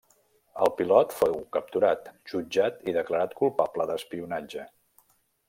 El pilot fou capturat, jutjat i declarat culpable d'espionatge.